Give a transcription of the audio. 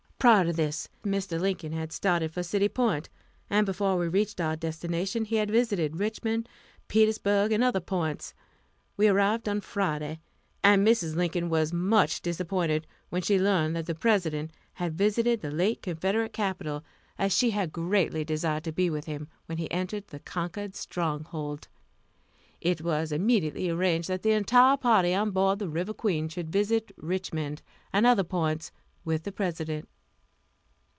Prior to this, Mr. Lincoln had started for City Point, and before we reached our destination he had visited Richmond, Petersburg, and other points. We arrived on Friday, and Mrs. Lincoln was much disappointed when she learned that the President had visited the late Confederate capital, as she had greatly desired to be with him when he entered the conquered stronghold. It was immediately arranged that the entire party on board the River Queen should visit Richmond, and other points, with the President.